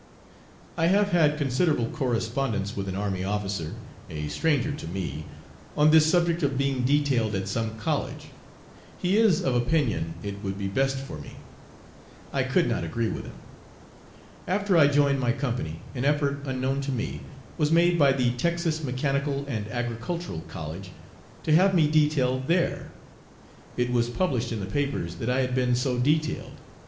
I have had considerable correspondence with an army officer, a stranger to me, on this subject of being detailed at some college. He is of opinion it would be best for me. I could not agree with him. After I joined my company an effort (unknown to me) was made by the Texas Mechanical and Agricultural College to have me detailed there. It was published in the papers that I had been so detailed.